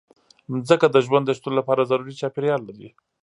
مځکه د ژوند د شتون لپاره ضروري چاپېریال لري.